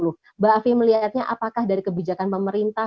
mbak afi melihatnya apakah dari kebijakan pemerintah